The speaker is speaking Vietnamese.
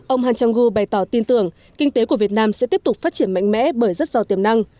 ông han chang gu bày tỏ tin tưởng kinh tế của việt nam sẽ tiếp tục phát triển mạnh mẽ bởi rất rõ tiềm năng